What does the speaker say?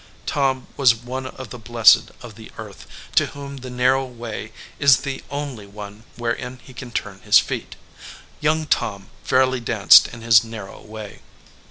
Tom was one of the blessed of the earth, to whom the narrow way is the only one wherein he can turn his feet. Young Tom fairly danced in his narrow \vay.